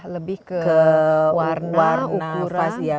lebih ke warna ukuran